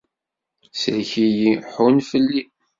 Sellek-iyi, ḥunn fell-i.